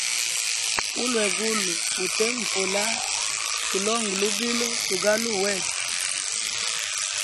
Ulwegulu utenvula tulonge lubilo tugaluwe wetu.